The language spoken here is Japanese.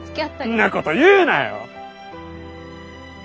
んなこと言うなよ！